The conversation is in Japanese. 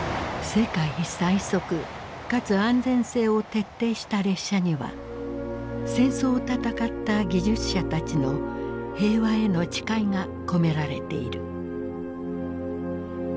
世界最速かつ安全性を徹底した列車には戦争を戦った技術者たちの平和への誓いが込められている。